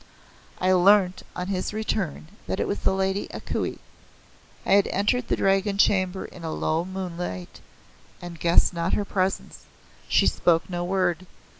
I learnt on his return that it was the Lady A Kuei. I had entered the Dragon Chamber in a low moonlight, and guessed not her presence. She spoke no word.